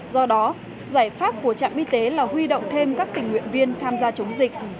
do đó giải pháp của trạm y tế là huy động thêm các tình nguyện viên tham gia chống dịch